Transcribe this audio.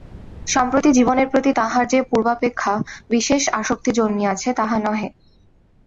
সম্প্রতি জীবনের প্রতি তাঁহার যে পূর্বাপেক্ষা বিশেষ আসক্তি জন্মিয়াছে তাহা নহে।